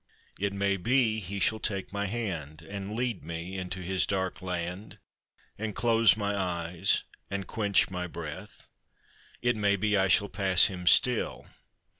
It may be he shall take my hand And lead me into his dark land And close my eyes and quench my breath It may be I shall pass him still.